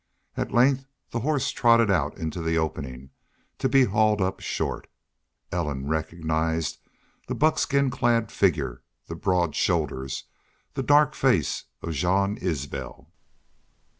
At length the horse trotted out into the opening, to be hauled up short. Ellen recognized the buckskin clad figure, the broad shoulders, the dark face of Jean Isbel.